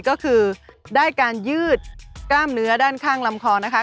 ก็คือได้การยืดกล้ามเนื้อด้านข้างลำคอนะคะ